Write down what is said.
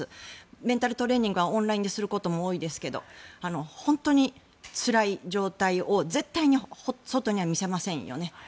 メンタルトレーニングはオンラインですることも多いですが本当につらい状態を絶対に外には見せませんよね。